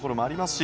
し